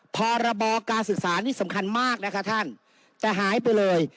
พรบการศึกษานี่สำคัญมากนะคะท่านจะหายไปเลย